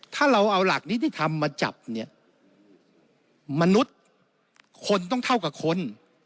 ถ้าเราเอาหลักนิติธรรมมาจับเนี่ยมนุษย์คนต้องเท่ากับคน